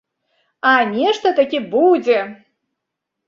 А нешта такі будзе!